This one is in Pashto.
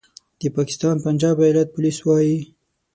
د پاکستان پنجاب ایالت پولیس وايي